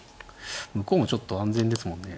向こうもちょっと安全ですもんね。